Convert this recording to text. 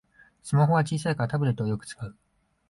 スマホは小さいからタブレットをよく使う